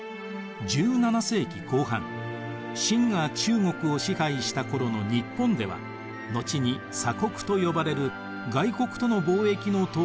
清が中国を支配した頃の日本では後に鎖国と呼ばれる外国との貿易の統制が行われていました。